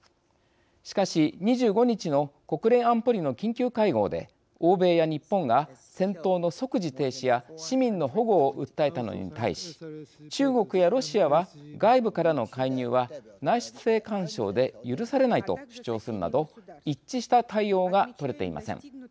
しかし２５日の国連安保理の緊急会合で欧米や日本が戦闘の即時停止や市民の保護を訴えたのに対し中国やロシアは外部からの介入は内政干渉で許されないと主張するなど一致した対応が取れていません。